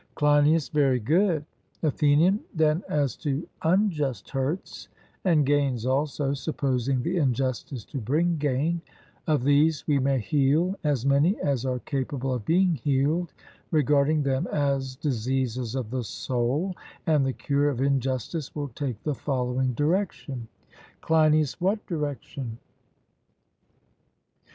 CLEINIAS: Very good. ATHENIAN: Then as to unjust hurts (and gains also, supposing the injustice to bring gain), of these we may heal as many as are capable of being healed, regarding them as diseases of the soul; and the cure of injustice will take the following direction. CLEINIAS: What direction?